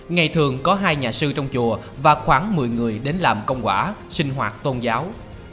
ngày thường có hai nhà sư trong chùa và khoảng một mươi người đến làm công quả sinh hoạt tôn giáo